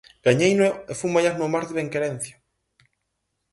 Gañeino e fun bañarme ao mar de Benquerencia.